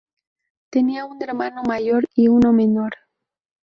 Tenía un hermano mayor y uno menor.